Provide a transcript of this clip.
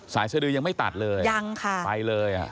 สายสดือยังไม่ตัดเลยยังค่ะไปเลยอ่ะ